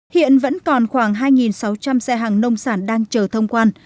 hiện vẫn còn khoảng hai sáu trăm linh xe hàng nông sản đang chờ thông quan